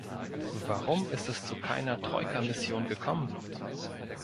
Warum ist es zu keiner Troika-Mission gekommen?